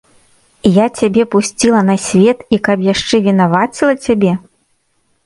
Я цябе пусціла на свет і каб яшчэ вінаваціла цябе?